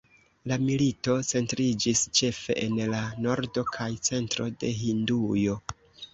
La milito centriĝis ĉefe en la nordo kaj centro de Hindujo.